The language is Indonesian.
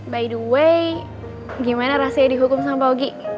by the way gimana rahasia dihukum sama ogi